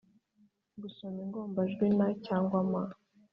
-gusoma ingombajwi n cyangwa m;